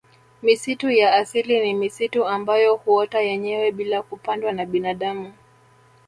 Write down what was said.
Misitu ya asili ni misitu ambayo huota yenyewe bila kupandwa na binadamu